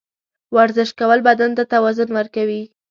ورزش کول بدن ته توازن ورکوي.